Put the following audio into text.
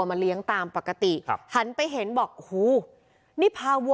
มาเลี้ยงตามปกติครับหันไปเห็นบอกหูนี่พาวัว